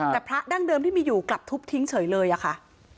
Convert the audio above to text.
แต่พระดั้งเดิมที่มีอยู่กลับทุบทิ้งเฉยเลยอะค่ะ